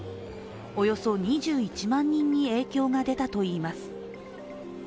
およそ２１万人に影響が出たといいます。